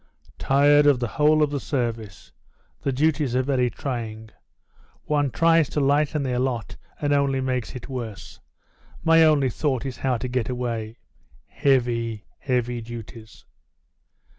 "Tired of the whole of the service the duties are very trying. One tries to lighten their lot and only makes it worse; my only thought is how to get away. Heavy, heavy duties!"